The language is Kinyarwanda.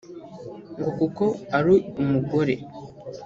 ngo kuko ari umugore